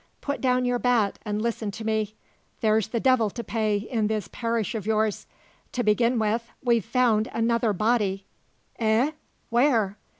Put down your bat and listen to me. There's the devil to pay in this parish of yours. To begin with, we've found another body " "Eh? Where?"